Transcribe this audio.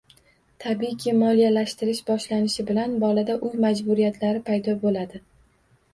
Tabiiyki, moliyalashtirish boshlanishi bilan bolada uy majburiyatlari paydo bo‘ladi.